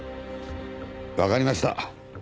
わかりました。